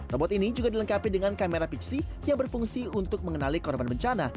robot ini juga dilengkapi dengan kamera pixi yang berfungsi untuk mengenali korban bencana